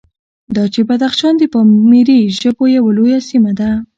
دا چې بدخشان د پامیري ژبو یوه لویه سیمه ده،